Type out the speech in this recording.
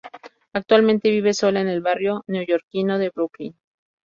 Actualmente vive sola en el barrio neoyorquino de Brooklyn.